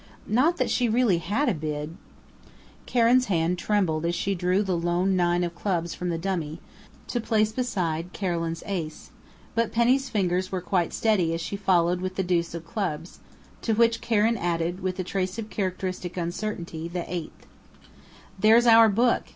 Not that she really had a bid Karen's hand trembled as she drew the lone nine of Clubs from the dummy, to place beside Carolyn's Ace, but Penny's fingers were quite steady as she followed with the deuce of Clubs, to which Karen added, with a trace of characteristic uncertainty, the eight. "There's our book!"